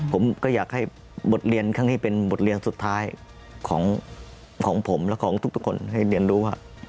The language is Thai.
ผมก็อยากให้บทเรียนครั้งนี้เป็นบทเรียนสุดท้ายของผมและของทุกคนให้เรียนรู้ว่า